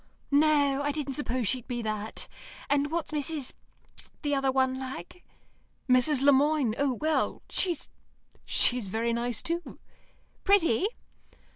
"No; I didn't suppose she'd be that. And what's Mrs. the other one like?" "Mrs. Le Moine. Oh, well she's she's very nice, too." "Pretty?"